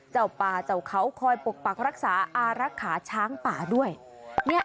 เจ้าป่าเจ้าเขาคอยปกปักรักษาอารักษาช้างป่าด้วยเนี่ย